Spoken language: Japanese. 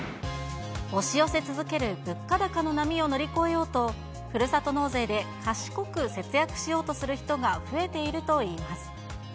押し寄せ続ける物価高の波を乗り越えようと、ふるさと納税で賢く節約しようとする人が増えているといいます。